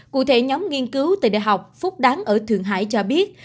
cụ thể nhóm nghiên cứu tại đại học phúc đáng ở thượng hải cho biết